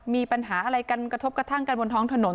มีปัญหาอะไรกันกระทบกระทั่งกันบนท้องถนน